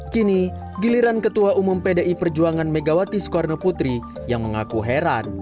kini giliran ketua umum pdi perjuangan megawati soekarno putri yang mengaku heran